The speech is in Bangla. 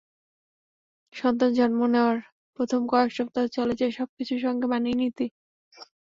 সন্তান জন্ম নেওয়ার প্রথম কয়েক সপ্তাহ চলে যায় সবকিছুর সঙ্গে মানিয়ে নিতেই।